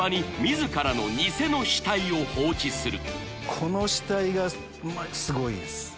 この死体がすごいです。